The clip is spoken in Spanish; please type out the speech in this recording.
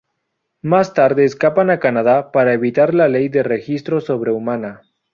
Más tarde escapan a Canadá para evitar la Ley de Registro Sobrehumana.